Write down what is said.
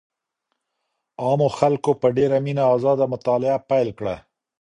عامو خلګو په ډېره مينه ازاده مطالعه پيل کړه.